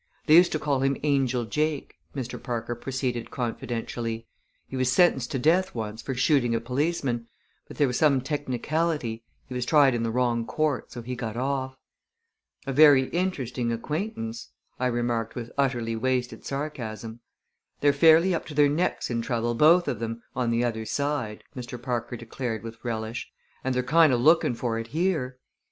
"They used to call him Angel Jake," Mr. Parker proceeded confidentially. "He was sentenced to death once for shooting a policeman, but there was some technicality he was tried in the wrong court so he got off." "A very interesting acquaintance," I remarked with utterly wasted sarcasm. "They're fairly up to their necks in trouble, both of them, on the other side," Mr. Parker declared with relish; "and they're kind o' looking for it here."